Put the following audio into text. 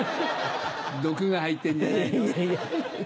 毒が入ってんじゃないの？